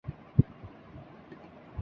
سب کی اپنی اپنی ترجیحات ہیں۔